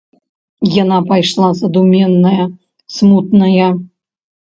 Яна пайшла задуменная, смутная.